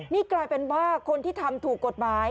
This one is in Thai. นี่กลายเป็นว่าคนที่ทำถูกกฎหมาย